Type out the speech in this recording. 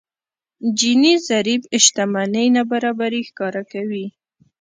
جيني ضريب شتمنۍ نابرابري ښکاره کوي.